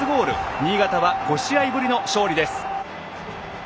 新潟は５試合ぶりの勝利です。